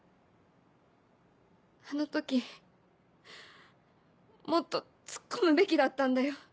あの時もっと突っ込むべきだったんだよ。